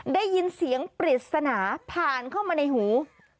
ได้ยินเสียงปริศนาผ่านเข้ามาในหู